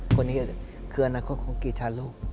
คนนี้คืออนาคตของกีธาโลก